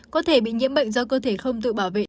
có thể bị nhiễm bệnh do cơ thể không tự bảo vệ